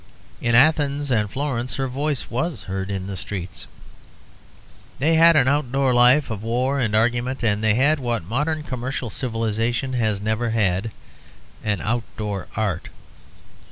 In Athens and Florence her voice was heard in the streets. They had an outdoor life of war and argument, and they had what modern commercial civilization has never had an outdoor art.